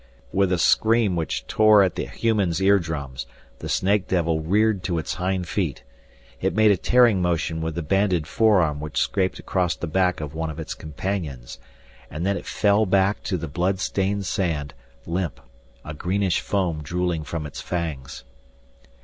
With a scream which tore at the human's eardrums, the snake devil reared to its hind feet. It made a tearing motion with the banded forearm which scraped across the back of one of its companions. And then it fell back to the blood stained sand, limp, a greenish foam drooling from its fangs.